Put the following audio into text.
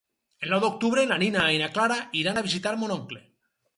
El nou d'octubre na Nina i na Clara iran a visitar mon oncle.